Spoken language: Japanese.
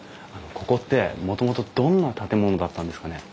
ここってもともとどんな建物だったんですかね？